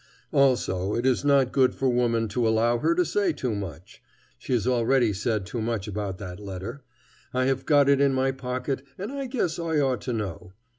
Also, it is not good for woman to allow her to say too much. She has already said too much about that letter. I have got it in my pocket, and I guess I ought to know.